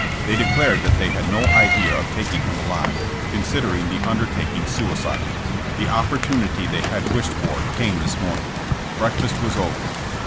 They declared that they had no idea of taking 98 JESSB JAMES. him alive, considering the undertaking suicidal. The opportunity they had long wished for came this morning. Breakfast was over.